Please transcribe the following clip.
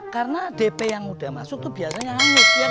karena dp yang udah masuk tuh biasanya hangus ya kan